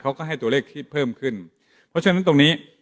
เขาก็ให้ตัวเลขที่เพิ่มขึ้นเพราะฉะนั้นตรงนี้